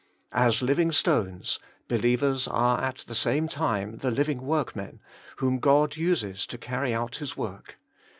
As living stones, believers are at the same time the living workmen, whom God uses to carry out His work.